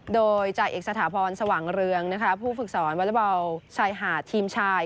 โดยจ่ายเอกสถาพรรณสวังเรืองผู้ฝึกสรรค์วอลเลอร์บอลชายหาดทีมชาย